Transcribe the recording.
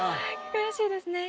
悔しいですね